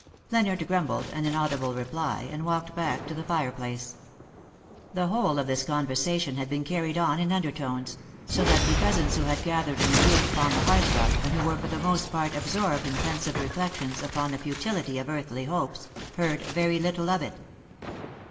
^^ Leonard grumbled an inaudible reply, and walked back to the fire place. The whole of this conver sation had been carried on in undertones — so that the cousins who had gathered in a group upon the hearth rug, and who were for the most part absorbed in pensive reflections upon the futility of earthly hopes, heard very little of it.